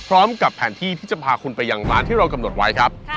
พร้อมกับแผนที่ที่จะพาคุณไปยังร้านที่เรากำหนดไว้ครับ